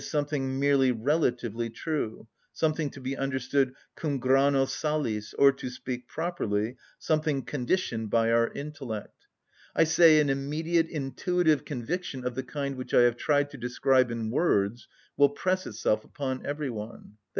_, something merely relatively true,—something to be understood cum grano salis, or, to speak properly, something conditioned by our intellect; I say, an immediate, intuitive conviction of the kind which I have tried to describe in words will press itself upon every one; _i.